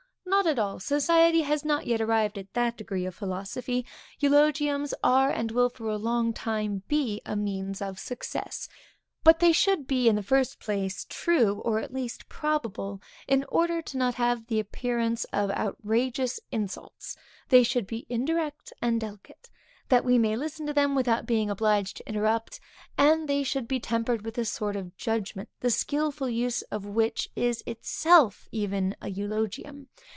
Not at all society has not yet arrived at that degree of philosophy; eulogiums are and will for a long time be a means of success; but they should be in the first place, true, or at least probable, in order not to have the appearance of outrageous insults; they should be indirect and delicate, that we may listen to them without being obliged to interrupt; and they should be tempered with a sort of judgment, the skilful use of which, is itself even a eulogium.